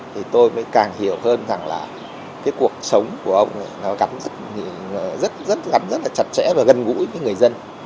thì tôi mới càng hiểu hơn rằng là cái cuộc sống của ông ấy nó gắn rất là chặt chẽ và gần gũi với người dân